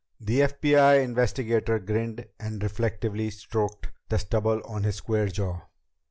The FBI investigator grinned and reflectively stroked the stubble on his square jaw.